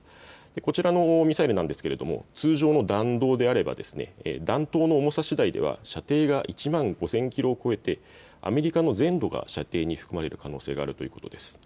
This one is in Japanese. こちらのミサイルですけれども通常の弾道であれば弾頭の重さしだいでは射程が１万５０００キロを超えてアメリカの全土が射程に含まれる可能性があるということです。